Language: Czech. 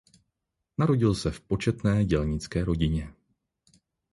Narodil se v početné dělnické rodině.